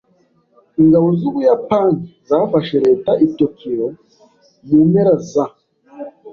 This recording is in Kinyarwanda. Ingabo z'Ubuyapani zafashe leta i Tokiyo mu mpera za .